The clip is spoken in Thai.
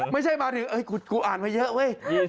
ไม่ใช่มาที่เอ้ยผมอ่านมาเยอะเว้ย